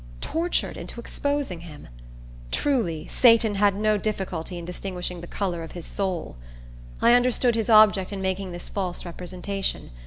Tortured into exposing him! Truly, Satan had no difficulty in distinguishing the color of his soul! I understood his object in making this false representation.